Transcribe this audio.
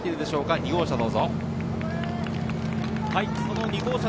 ２号車どうぞ。